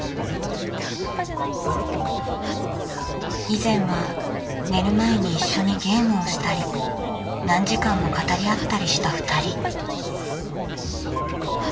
以前は寝る前に一緒にゲームをしたり何時間も語り合ったりしたふたり。